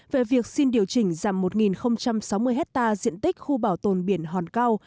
về việc xin điều chỉnh giảm một sáu mươi hectare diện tích khu bảo tồn biển hòn cao